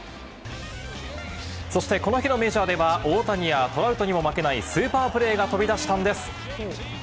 そして、この日のメジャーでは大谷やトラウトにも負けないスーパープレーが飛び出したんです。